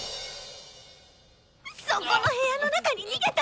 そこの部屋の中に逃げたの！